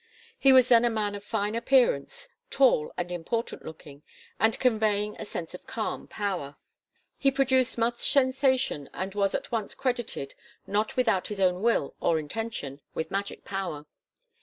He was then a man of fine appearance, tall and important looking and conveying a sense of calm power. He produced much sensation and was at once credited not without his own will or intention with magic power.